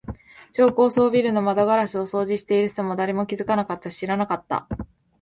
超高層ビルの窓ガラスを掃除している人も、誰も気づかなかったし、知らなかった。